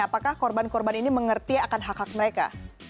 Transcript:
apakah korban korban ini mengerti akan hak hak mereka